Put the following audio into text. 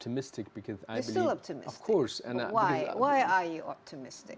tapi itu tidak terjadi